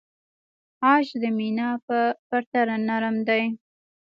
عاج د مینا په پرتله نرم دی.